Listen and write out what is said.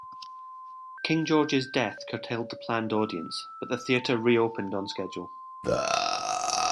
King George's death curtailed the planned audience but the theatre re-opened on schedule.